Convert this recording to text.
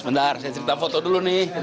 bentar saya cerita foto dulu nih